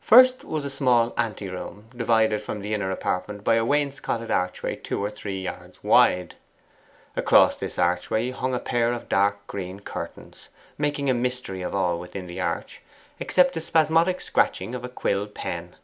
First was a small anteroom, divided from the inner apartment by a wainscoted archway two or three yards wide. Across this archway hung a pair of dark green curtains, making a mystery of all within the arch except the spasmodic scratching of a quill pen.